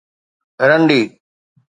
رنڊي